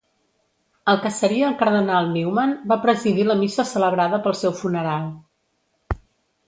El que seria el cardenal Newman va presidir la missa celebrada pel seu funeral.